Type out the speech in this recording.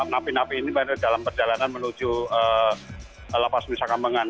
napi napi ini berada dalam perjalanan menuju lapas nusa kambangan